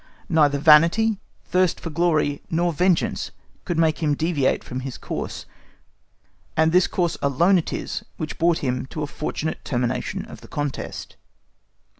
Neither vanity, thirst for glory, nor vengeance could make him deviate from his course, and this course alone it is which brought him to a fortunate termination of the contest.